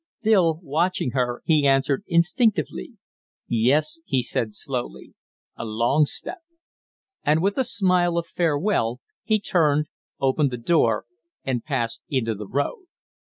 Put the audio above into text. Still watching her, he answered instinctively "Yes," he said, slowly, "a long step." And, with a smile of farewell, he turned, opened the door, and passed into the road.